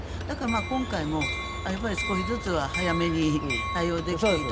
今回も少しずつ早めに対応できていた。